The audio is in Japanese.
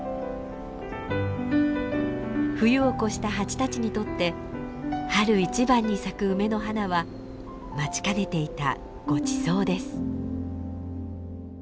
冬を越したハチたちにとって春一番に咲く梅の花は待ちかねていたごちそうです。